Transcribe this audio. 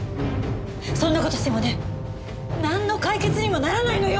そんな事してもねなんの解決にもならないのよ！